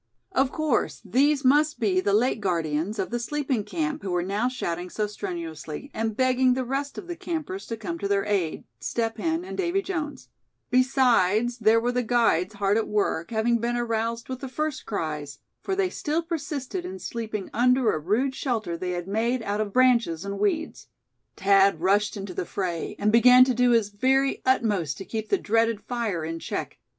Of course these must be the late guardians of the sleeping camp, who were now shouting so strenuously, and begging the rest of the campers to come to their aid Step Hen and Davy Jones; besides, there were the guides, hard at work, having been aroused with the first cries; for they still persisted in sleeping under a rude shelter they had made out of branches and weeds. Thad rushed into the fray, and began to do his very utmost to keep the dreaded fire in check.